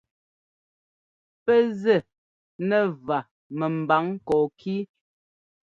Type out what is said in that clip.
Pɛ́ zɛ́ nɛ vǎ mɛ́mbǎŋ kɔɔkí.